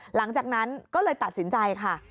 หลังจากนั้นก็เลยตัดสินใจค่ะ